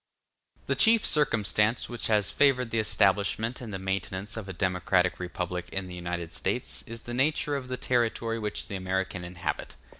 The chief circumstance which has favored the establishment and the maintenance of a democratic republic in the United States is the nature of the territory which the American inhabit.